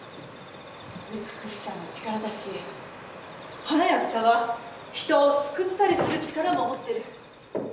美しさも力だし花や草は、人を救ったりする力も持ってる。